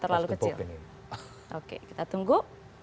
terlalu kecil oke kita tunggu